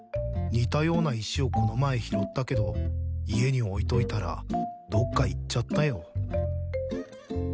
似たような石をこの前拾ったけど家に置いといたらどっかいっちゃったよ。